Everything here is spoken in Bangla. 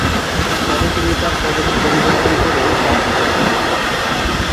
পরে তিনি তার পদবি পরিবর্তন করে "দাগ" করেন।